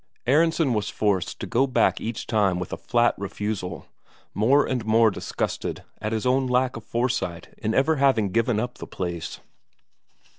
Aronsen was forced to go back each time with a flat refusal, more and more disgusted at his own lack of foresight in ever having given up the place.